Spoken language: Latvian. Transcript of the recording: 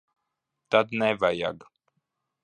Tad nevajag.